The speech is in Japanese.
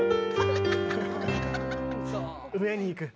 上にいく。